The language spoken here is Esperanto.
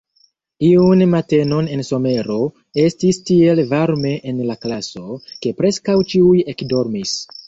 Iun matenon en somero, estis tiel varme en la klaso, ke preskaŭ ĉiuj ekdormis.